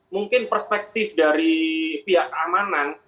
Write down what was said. mungkin perspektif dari pihak keamanan